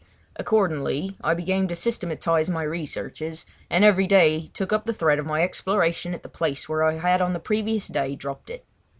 Accordingly I began to systematise my researches, and each day took up the thread of my exploration at the place where I had on the previous day dropped it.